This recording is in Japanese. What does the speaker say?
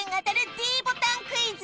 ｄボタンクイズ！